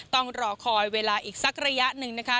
ต้องรอคอยเวลาอีกสักระยะหนึ่งนะคะ